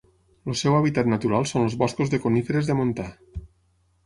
El seu hàbitat natural són els boscos de coníferes de montà.